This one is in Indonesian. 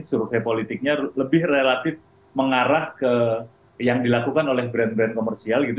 survei politiknya lebih relatif mengarah ke yang dilakukan oleh brand brand komersial gitu